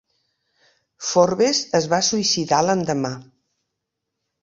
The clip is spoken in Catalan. Forbes es va suïcidar l'endemà.